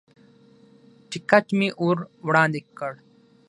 ټکټ مې ور وړاندې کړ.